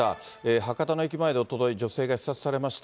博多の駅前でおととい、女性が刺殺されました。